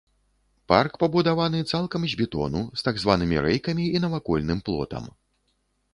Парк пабудаваны цалкам з бетону, з так званымі рэйкамі і навакольным плотам.